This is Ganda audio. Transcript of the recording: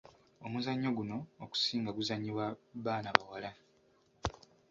Omuzannyo guno okusinga guzannyibwa baana bawala.